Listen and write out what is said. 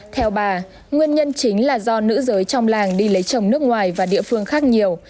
theo bà nguyên nhân chính là do nữ giới trong làng đi lấy chồng nước ngoài và địa phương khác nhiều